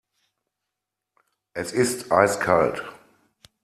Es ist eiskalt.